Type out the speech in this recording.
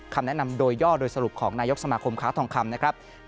คำแนะนำโดยย่อโดยสรุปของนายกสมาคมค้าทองคำนะครับ